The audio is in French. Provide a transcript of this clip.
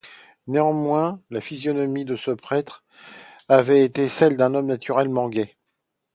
Néanmoins, la physionomie de ce prêtre avait été celle d’un homme naturellement gai.